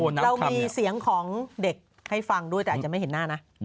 เรามีเสียงของเด็กให้ฟังด้วยแต่อาจจะไม่เห็นหน้านะ